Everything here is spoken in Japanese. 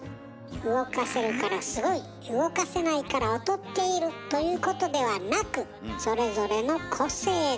動かせるからすごい動かせないから劣っているということではなくなるほど。